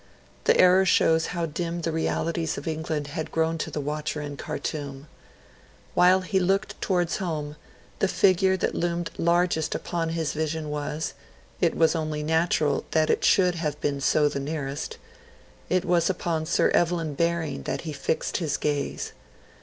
The error shows how dim the realities of England had grown to the watcher in Khartoum. When he looked towards home, the figure that loomed largest upon his vision was it was only natural that it should have been so the nearest it was upon Sir Evelyn Baring that he fixed his gaze.